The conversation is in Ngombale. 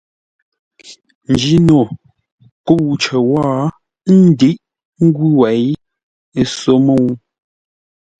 Njino kə̂u cər wó ńdíʼ ngwʉ̂ wei, ə́ só mə́u.